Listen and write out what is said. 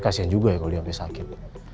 kasian juga ya kalau dia sampai sakit